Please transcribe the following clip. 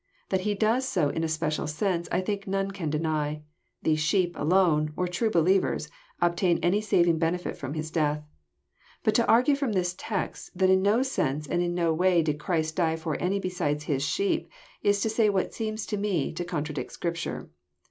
That He does so in a special sense I think none can deny. The sheep" alone, or true believers, obtain any saving benefit from His death. But to argue from this text, that in no sense and in no way did Christ die for any beside His sheep," is to say what seems to me to contradict Scripture.